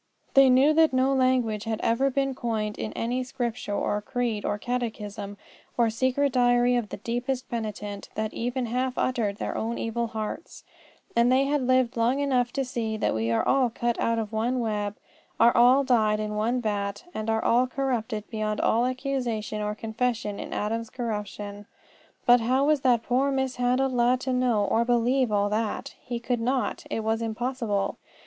They knew that no language had ever been coined in any scripture, or creed, or catechism, or secret diary of the deepest penitent, that even half uttered their own evil hearts; and they had lived long enough to see that we are all cut out of one web, are all dyed in one vat, and are all corrupted beyond all accusation or confession in Adam's corruption. But how was that poor, mishandled lad to know or believe all that? He could not. It was impossible.